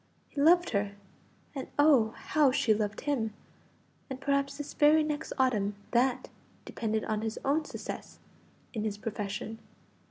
He loved her; and oh, how she loved him! and perhaps this very next autumn but that depended on his own success in his profession.